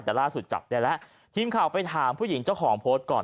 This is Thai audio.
แต่ล่าสุดจับได้แล้วทีมข่าวไปถามผู้หญิงเจ้าของโพสต์ก่อน